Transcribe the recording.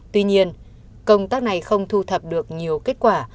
tuy nhiên công tác này không thu thập được nhiều kết quả